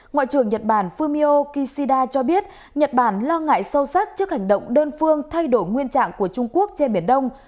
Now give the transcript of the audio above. ngoại trưởng nhật bản fumio kishida cho biết nhật bản lo ngại sâu sắc trước hành động đơn phương thay đổi nguyên trạng của trung quốc trên biển đông